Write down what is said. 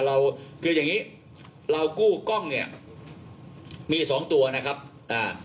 เราคืออย่างงี้เรากู้กล้องเนี้ยมีสองตัวนะครับอ่า